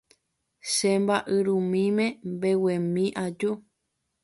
Che mba'yrumýime mbeguemi aju.